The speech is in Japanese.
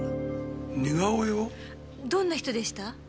どんな人でした？